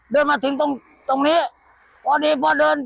เดินมาถึงตรงนี้พอดีมาถึงตรงนี้ปุ๊บได้ยินเสียงเบก